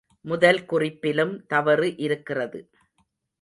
முதல் குறிப்பிலும் தவறு இருக்கிறது.